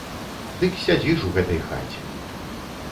Дык сядзі ж у гэтай хаце.